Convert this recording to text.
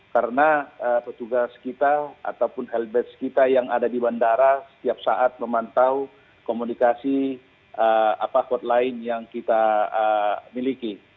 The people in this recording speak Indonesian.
karena petugas kita ataupun helbets kita yang ada di bandara setiap saat memantau komunikasi apa apa lain yang kita miliki